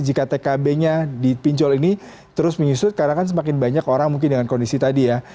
jika tkb nya di pinjol ini terus menyusut karena kan semakin banyak orang mungkin dengan kondisi tadi ya